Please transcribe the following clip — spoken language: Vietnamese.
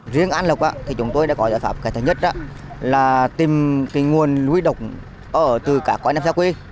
riêng an lộc chúng tôi đã có giải pháp cái thứ nhất là tìm nguồn lưu ý độc ở từ cả quản lý xã quy